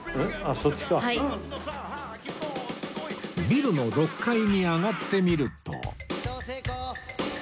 ビルの６階に上がってみると